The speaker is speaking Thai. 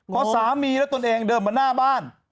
พอสามีและตนเองเดินมาหน้าบ้าน